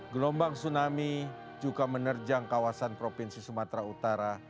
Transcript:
gelombang tsunami juga menerjang kawasan provinsi sumatera utara